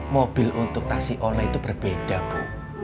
mobil untuk taksi online itu berbeda bu